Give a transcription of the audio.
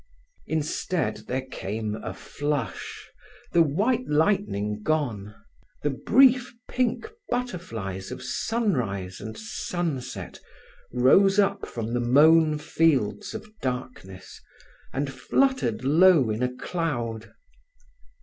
Instead there came a flush, the white lightning gone. The brief pink butterflies of sunrise and sunset rose up from the mown fields of darkness, and fluttered low in a cloud.